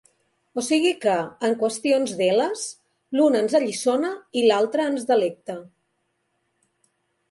O sigui que, en qüestions d'eles, l'un ens alliçona i l'altra ens delecta.